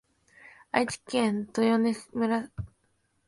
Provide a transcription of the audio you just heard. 愛知県豊根村